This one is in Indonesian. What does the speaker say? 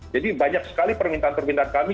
jadi banyak sekali permintaan permintaan kami